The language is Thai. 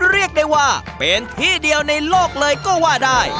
เรียกได้ว่าเป็นที่เดียวในโลกเลยก็ว่าได้